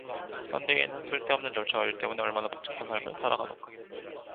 현대인은 쓸데없는 절차와 일 때문에 얼마나 복잡한 삶을 살아가는가?